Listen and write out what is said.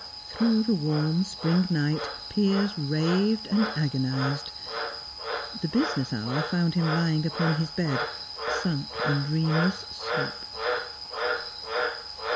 Through the warm spring night, Piers raved and agonised. The business hour found him lying upon his bed, sunk in dreamless sleep.